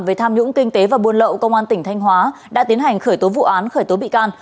về tham nhũng kinh tế và buôn lậu công an tỉnh thanh hóa đã tiến hành khởi tố vụ án khởi tố bị can